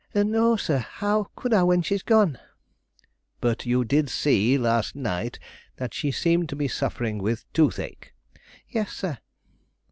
"No, sir; how could I when she's gone?" "But you did see, last night, that she seemed to be suffering with toothache?" "Yes, sir."